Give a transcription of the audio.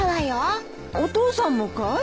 お父さんもかい？